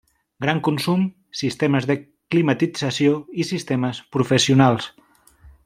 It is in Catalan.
Gran consum, Sistemes de climatització i Sistemes professionals.